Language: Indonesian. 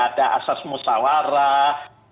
ada asas musawarah